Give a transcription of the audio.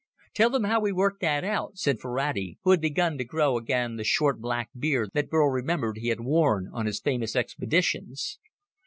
"Tell them how we worked that out," said Ferrati, who had begun to grow again the short black beard that Burl remembered he had worn on his famous expeditions.